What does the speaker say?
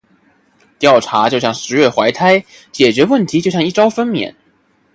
调查就像“十月怀胎”，解决问题就像“一朝分娩”。